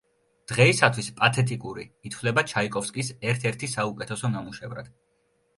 დღეისათვის „პათეტიკური“ ითვლება ჩაიკოვსკის ერთ-ერთი საუკეთესო ნამუშევრად.